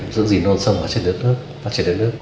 giữ gìn nôn sông phát triển đến nước